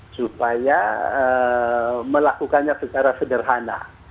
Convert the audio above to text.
supaya melakukannya secara sederhana